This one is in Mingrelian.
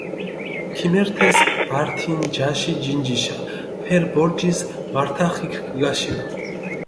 ქიმერთეს ართი ნჯაში ჯინჯიშა, ფერი ბორჯისჷ მართახიქჷ ქჷგაშინჷ.